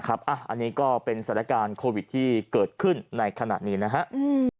อันนี้ก็เป็นสถานการณ์โควิดที่เกิดขึ้นในขณะนี้นะครับ